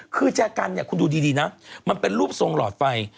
คือแจกันเนี่ยคุณดูดีนะมันเป็นรูปทรงหลอดไฟ